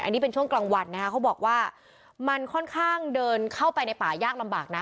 อันนี้เป็นช่วงกลางวันนะคะเขาบอกว่ามันค่อนข้างเดินเข้าไปในป่ายากลำบากนะ